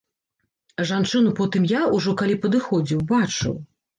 Жанчыну потым я, ужо калі падыходзіў, бачыў.